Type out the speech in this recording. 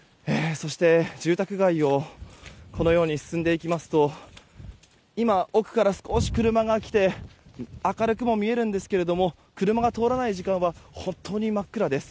そして住宅街を進んでいきますと今、奥から少し車が来て明るくも見えるんですけども車が通らない時間は本当に真っ暗です。